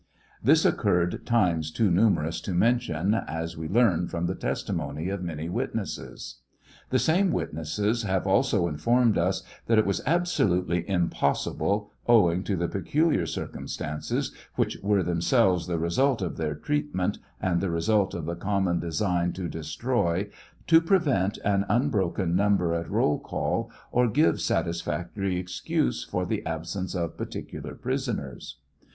This occurred times too numerous to mention , as we learn from the testimony of many witnesses. The same witnesses have also informed us that it was absolutely impossible, owing to the peculiar circum stances which were themselves the result of their treatment and the result of the common design to destroy, to prevent an unbroken number at roll call or give satisfactory excuse for the absence of particular prisoners.